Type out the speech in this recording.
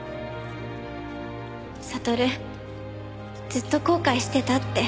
ずっと後悔してたって。